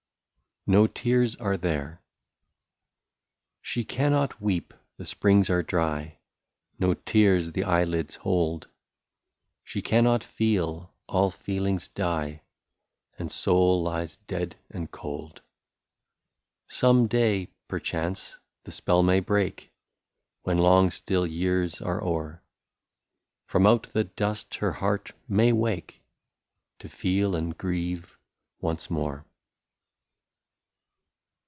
93 NO TEARS ARE THERE. She cannot weep — the springs are dry No tears the eyelids hold ; She cannot feel — all feelings die, And soul lies dead and cold. Some day perchance the spell may break, When long still years are o'er, From out the dust her heart may wake To feel and grieve once more.